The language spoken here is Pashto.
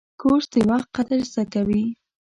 کورس د وخت قدر زده کوي.